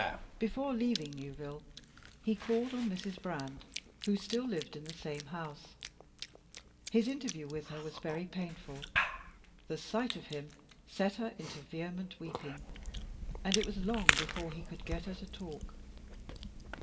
Before leaving Newville he called on Mrs. Brand, who still lived in the same house. His interview with her was very painful. The sight of him set her into vehement weeping, and it was long before he could get her to talk.